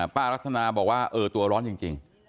รัฐนาบอกว่าเออตัวร้อนจริง